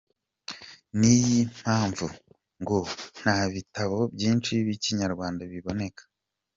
Niyi mpamvu ngo nta bitabo byinshi by’ikinyarwanda biboneka.